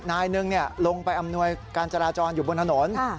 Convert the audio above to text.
นายหนึ่งลงไปอำนวยการจราจรอยู่บนถนน